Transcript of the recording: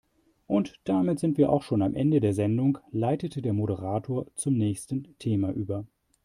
Und damit sind wir auch schon am Ende der Sendung, leitete der Moderator zum nächsten Thema über.